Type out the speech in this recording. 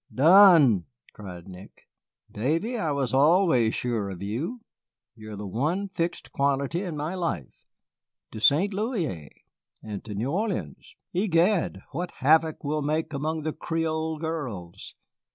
"Done!" cried Nick. "Davy, I was always sure of you; you are the one fixed quantity in my life. To St. Louis, eh, and to New Orleans? Egad, what havoc we'll make among the Creole girls.